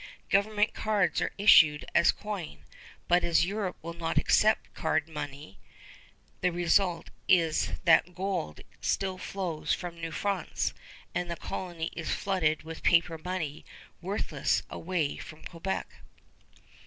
Government cards are issued as coin, but as Europe will not accept card money, the result is that gold still flows from New France, and the colony is flooded with paper money worthless away from Quebec.